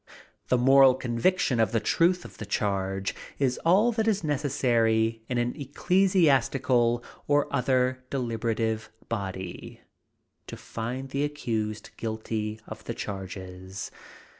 The moral conviction of the truth of the charge is all that is necessary in an ecclesiastical or other deliberative body, to find the accused guilty of the charges.